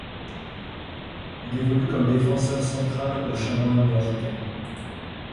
Il évolue comme défenseur central au Chamois niortais.